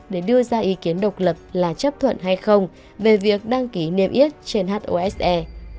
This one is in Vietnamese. để đưa ra ý kiến độc lập là chấp thuận hay không về việc đăng ký niêm yết trên hose